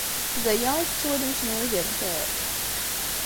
D aya ay tettwalim kenwi d altaf?